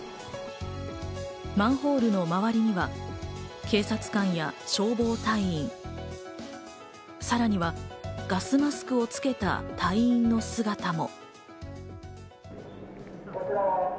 マンホールの周りには警察官や消防隊員、さらにはガスマスクをつけた隊員の姿も。